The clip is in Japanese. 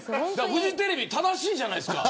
フジテレビ正しいじゃないですか。